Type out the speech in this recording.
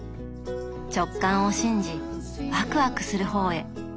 直感を信じワクワクする方へ。